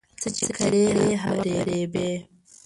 څه چې کرې هغه به ریبې